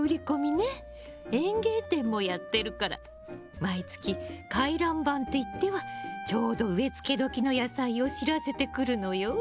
園芸店もやってるから毎月回覧板っていってはちょうど植え付け時の野菜を知らせてくるのよ。